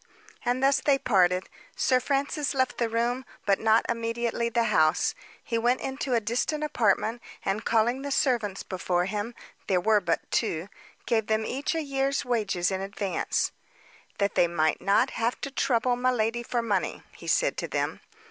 And thus they parted. Sir Francis left the room, but not immediately the house. He went into a distant apartment, and, calling the servants before him there were but two gave them each a year's wages in advance "That they might not have to trouble miladi for money," he said to them.